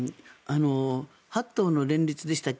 ８党の連立でしたっけ